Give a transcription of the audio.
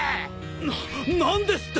なっ何ですって！？